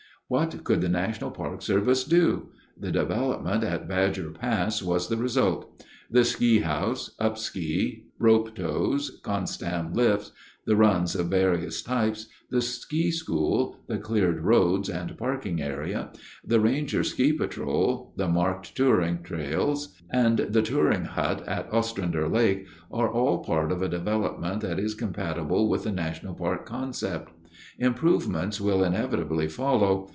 "What could the National Park Service do? The development at Badger Pass was the result. The ski house, upski, rope tows, Constam lift, the runs of various types, the ski school, the cleared roads and parking area, the ranger ski patrol, the marked touring trails, and the touring hut at Ostrander Lake are all part of a development that is compatible with the national park concept. Improvements will inevitably follow.